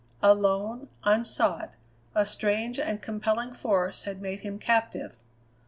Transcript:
Alone, unsought, a strange and compelling force had made him captive.